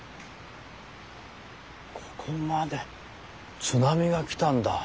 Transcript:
ここまで津波が来たんだ。